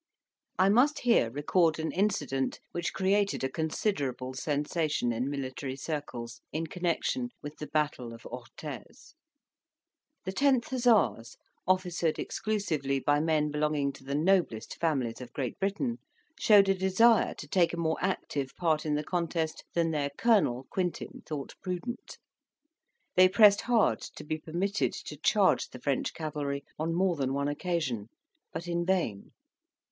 I must here record an incident which created a considerable sensation in military circles in connection with the battle of Orthes. The 10th Hussars, officered exclusively by men belonging to the noblest families of Great Britain, showed a desire to take a more active part in the contest than their colonel (Quintin) thought prudent. They pressed hard to be permitted to charge the French cavalry on more than one occasion, but in vain.